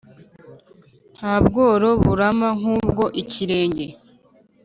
Nta bworo burama nkubwo ikirenge.